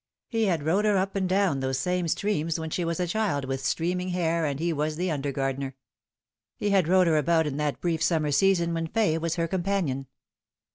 He had rowed her up and down those same streams when she was a child with streaming hair and he was the under gardener. He had rowed her about in that brief Bummer season when Fay was her companion.